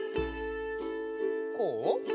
こう？